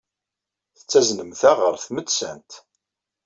Tettaznemt-aɣ ɣer tmettant.